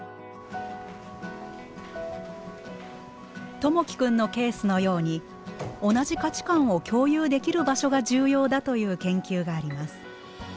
友輝君のケースのように同じ価値観を共有できる場所が重要だという研究があります。